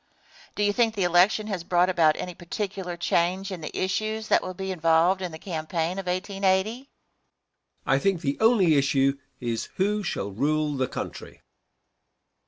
Question. Do you think the election has brought about any particular change in the issues that will be involved in the campaign of 1880? Answer. I think the only issue is who shall rule the country.